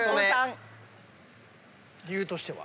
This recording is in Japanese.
理由としては？